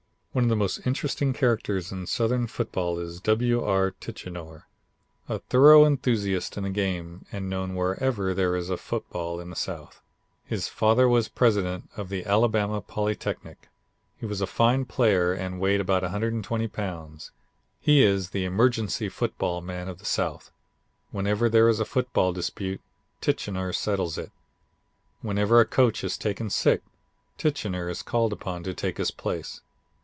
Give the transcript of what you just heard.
One of the most interesting characters in Southern football is W. R. Tichenor, a thorough enthusiast in the game and known wherever there is a football in the South. His father was president of the Alabama Polytechnic. He was a fine player and weighed about 120 pounds. He is the emergency football man of the South. Whenever there is a football dispute Tichenor settles it. Whenever a coach is taken sick, Tichenor is called upon to take his place.